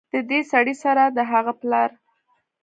ددې سړي سره د هغه پلار